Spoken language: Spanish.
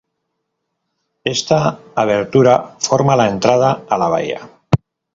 Esta abertura forma la entrada a la bahía.